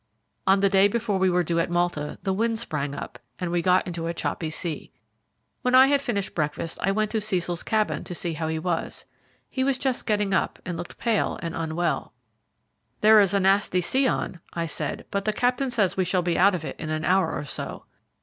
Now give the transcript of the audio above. On the day before we were due at Malta, the wind sprang up and we got into a choppy sea. When I had finished breakfast I went to Cecil's cabin to see how he was. He was just getting up, and looked pale and unwell. "There is a nasty sea on," I said, "but the captain says we shall be out of it in an hour or so."